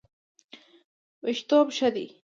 ویښتوب ښه دی.